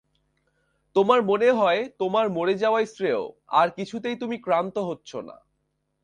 তোমার মনে হয় তোমার মরে যাওয়াই শ্রেয় আর কিছুতেই তুমি ক্ষান্ত হচ্ছ না।